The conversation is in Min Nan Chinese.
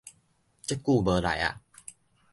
足久無來矣